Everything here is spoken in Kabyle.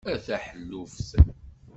A taḥelluft!